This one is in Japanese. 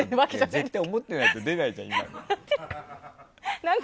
絶対思ってないと出ないじゃん。